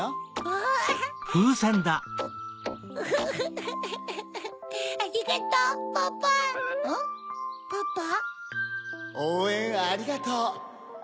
おうえんありがとう。